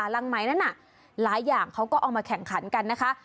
รังไหมนั้นน่ะหลายอย่างเขาก็เอามาแข่งขันกันนะคะ